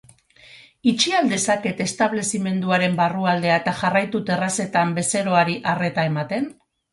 Itxi al dezaket establezimenduaren barrualdea eta jarraitu terrazetan bezeroei arreta ematen?